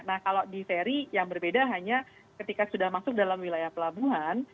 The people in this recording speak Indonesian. nah kalau di seri yang berbeda hanya ketika sudah masuk dalam wilayah pelabuhan